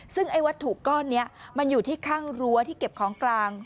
ซึ่งไอ้วัตถุก้อนนี้มันอยู่ที่ข้างรั้วที่เก็บของกลาง